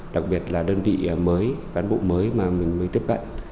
đặc biệt là đơn vị mới cán bộ mới mà mình mới tiếp cận